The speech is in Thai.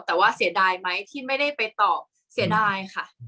แต่ว่าเสียดายไหมที่ไม่ได้ไปตอบเสียดายค่ะ